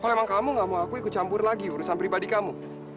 kalau emang kamu nggak mau aku ikucampur lagi urusan pribadi kamu